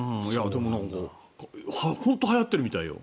でも、本当はやってるみたいよ。